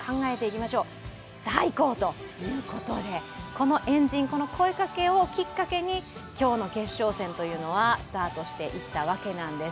この円陣、声かけをきっかけに今日の決勝戦はスタートしていったわけなんです。